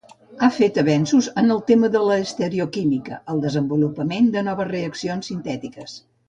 Ha fet avenços en el tema de l'Estereoquímica, el desenvolupament de noves reaccions sintètiques.